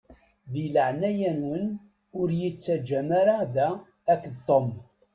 Di leɛnaya-nwen ur yi-ttaǧǧam ara da akked Tom.